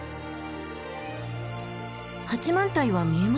八幡平は見えますか？